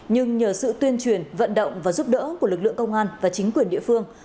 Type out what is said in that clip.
nhưng nhờ sự tuyên truyền vận động và giúp đỡ của lực lượng công an và chính quyền địa phương